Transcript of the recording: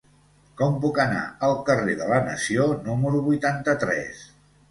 Com puc anar al carrer de la Nació número vuitanta-tres?